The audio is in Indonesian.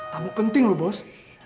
tamu penting lo bos